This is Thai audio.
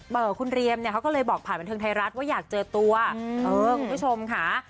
คุณเรียมเนี่ยเขาก็เลยบอกผ่านบันเทิงไทยรัฐว่าอยากเจอตัวเออคุณผู้ชมค่ะ